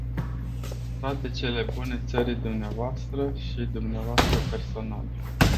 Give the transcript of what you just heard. Toate cele bune țării dvs. și dvs. personal.